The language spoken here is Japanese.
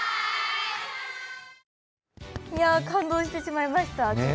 感動してしまいました。